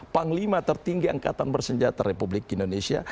panglima tertinggi angkatan bersenjata republik indonesia